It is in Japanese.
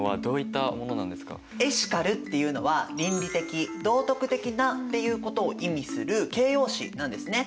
「エシカル」っていうのは「倫理的・道徳的な」っていうことを意味する形容詞なんですね。